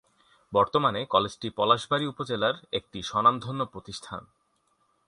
বর্তমানে কলেজটি পলাশবাড়ী উপজেলা এর একটি স্বনামধন্য প্রতিষ্ঠান।